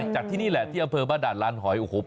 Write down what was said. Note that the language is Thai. จัดที่นี่แหละที่อำเภอบ้านด่านร้านหอย